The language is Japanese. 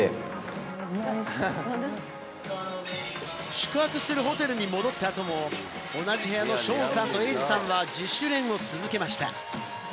宿泊するホテルに戻った後も、同じ部屋のショーンさんとエイジさんは自主練を続けました。